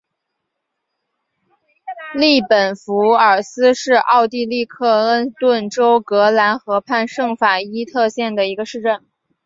利本弗尔斯是奥地利克恩顿州格兰河畔圣法伊特县的一个市镇。